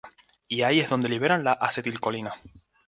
Y ahí es donde liberan la acetilcolina.